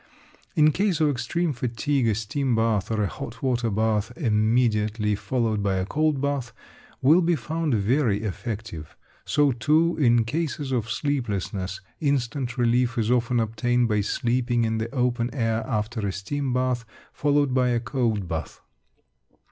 In case of extreme fatigue, a steam bath or a hot water bath immediately followed by a cold bath will be found very effective. So too, in cases of sleeplessness, instant relief is often obtained by sleeping in the open air after a steam bath followed by a cold bath.